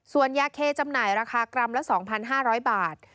ส่วนยาเคจำหน่ายราคากรัมละ๒๕๐๐บาท